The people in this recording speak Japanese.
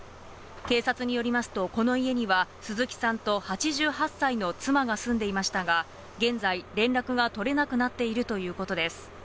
警察によりますと、この家には鈴木さんと８８歳の妻が住んでいましたが、現在、連絡が取れなくなっているということです。